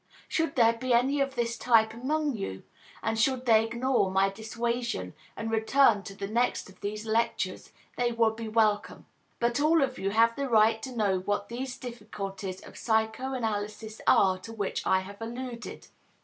Should there be any of this type among you, and should they ignore my dissuasion and return to the next of these lectures, they will be welcome. But all of you have the right to know what these difficulties of psychoanalysis are to which I have alluded.